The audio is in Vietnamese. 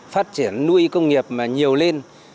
phát triển nuôi công nghiệp nhiều lên